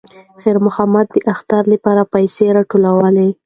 خیر محمد د اختر لپاره پیسې ټولولې.